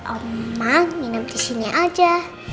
oma nginap disini aja